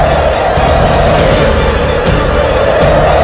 saya harus mempeluh orang premium